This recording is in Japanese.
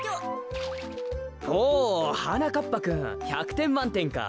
ほうはなかっぱくん１００てんまんてんか。